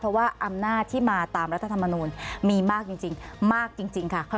เพราะว่าอำนาจที่มาตามรัฐธรรมนูลมีมากจริงมากจริงค่ะ